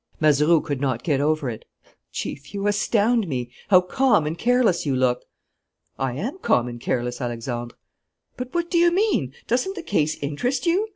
Mazeroux could not get over it. "Chief, you astound me! How calm and careless you look!" "I am calm and careless, Alexandre." "But what do you mean? Doesn't the case interest you?